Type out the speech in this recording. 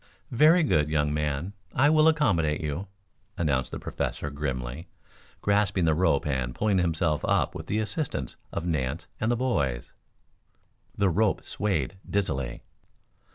"Very good, young man. I will accommodate you," announced the Professor grimly, grasping the rope and pulling himself up with the assistance of Nance and the boys. The rope swayed dizzily.